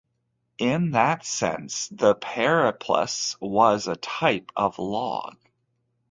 In that sense the periplus was a type of log.